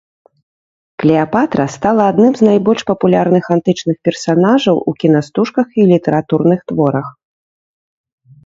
Клеапатра стала адным з найбольш папулярных антычных персанажаў у кінастужках і літаратурных творах.